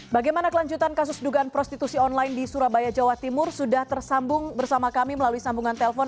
bagaimana kelanjutan kasus dugaan prostitusi online di surabaya jawa timur sudah tersambung bersama kami melalui sambungan telpon